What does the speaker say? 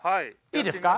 いいですか？